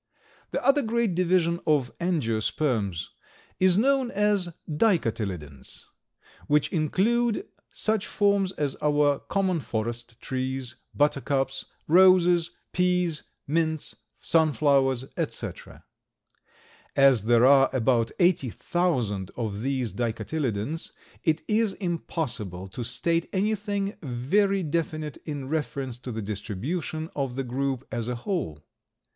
The other great division of Angiosperms is known as Dicotyledons, which include such forms as our common forest trees, buttercups, roses, peas, mints, sunflowers, etc. As there are about eighty thousand of these Dicotyledons, it is impossible to state anything very definite in reference to the distribution of the group as a whole.